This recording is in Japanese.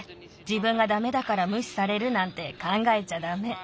じぶんがダメだからむしされるなんてかんがえちゃダメ。